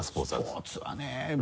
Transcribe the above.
スポーツはね。